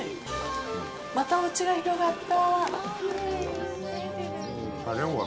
またおうちが広がった。